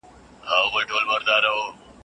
ايا د ژوند په ټولو اړخونو کې بدلون پرمختيا ده؟